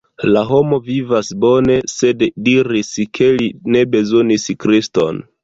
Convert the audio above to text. La homo vivis bone, sed diris ke li ne bezonis Kriston.